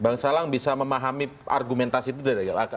bang salang bisa memahami argumentasi itu tidak